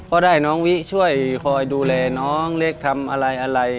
ก็ได้น้องวิช่วยคอยดูแลน้องเล็กทำอะไรอะไร